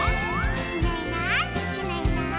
「いないいないいないいない」